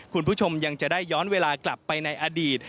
คุณผู้ชมยังจะได้ย้อนเวลากลับไปในอดีต